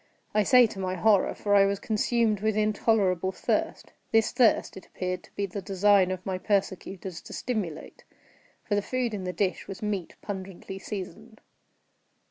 I say to my horror—for I was consumed with intolerable thirst. This thirst it appeared to be the design of my persecutors to stimulate—for the food in the dish was meat pungently seasoned.